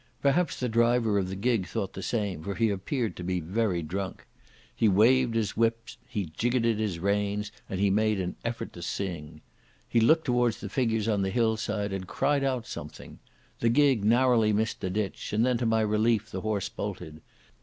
Perhaps the driver of the gig thought the same, for he appeared to be very drunk. He waved his whip, he jiggoted the reins, and he made an effort to sing. He looked towards the figures on the hillside, and cried out something. The gig narrowly missed the ditch, and then to my relief the horse bolted.